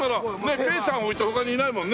ペーさんを置いて他にいないもんね。